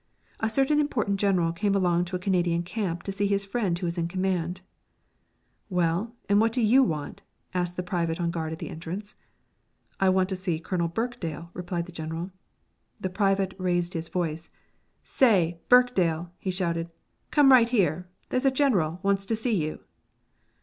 A certain important general came along to a Canadian camp to see his friend who was in command. "Well, and what do you want?" asked the private on guard at the entrance. "I want to see Colonel Birkdale," replied the General. The private raised his voice. "Say, Birkdale," he shouted, "come right here, there's a general wants to see you!"